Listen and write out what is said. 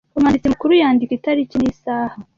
Umwanditsi Mukuru yandika itariki n isaha